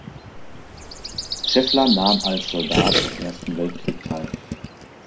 Scheffler nahm als Soldat am Ersten Weltkrieg teil.